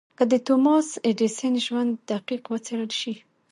که د توماس ايډېسن ژوند دقيق وڅېړل شي.